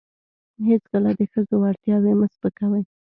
هیڅکله د ښځو وړتیاوې مه سپکوئ.